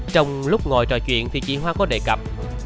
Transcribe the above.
trong lúc ngồi trò chuyện thì chị hoa có đề cập